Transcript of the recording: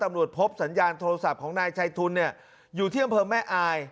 ตำรวจพบสัญญาณโทรศัพท์ของนายชายทุนอยู่ที่เมืองแม่อาย